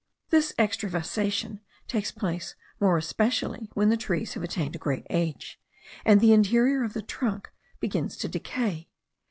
This extravasation takes place more especially when the trees have attained a great age, and the interior of the trunk begins to decay.